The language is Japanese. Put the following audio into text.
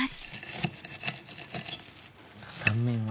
断面は。